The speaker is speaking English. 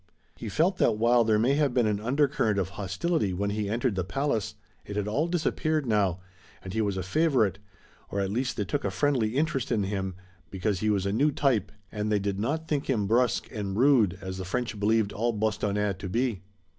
He felt that while there may have been an undercurrent of hostility when he entered the palace it had all disappeared now, and he was a favorite, or at least they took a friendly interest in him, because he was a new type and they did not think him brusque and rude, as the French believed all Bostonnais to be.